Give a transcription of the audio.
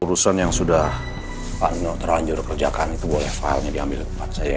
urusan yang sudah pano terlanjur kerjakan itu boleh file nya diambil tempat saya